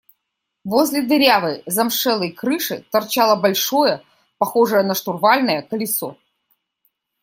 Возле дырявой замшелой крыши торчало большое, похожее на штурвальное, колесо.